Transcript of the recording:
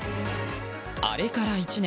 あれから１年。